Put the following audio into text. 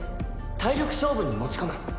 体力勝負に持ち込む。